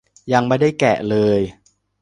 ยังไม่ได้แกะเลย